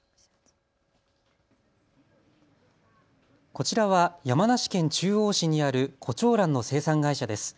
こちらは山梨県中央市にあるこちょうらんの生産会社です。